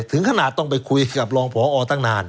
ถึงขนาดต้องไปคุยกับรองพอตั้งนาน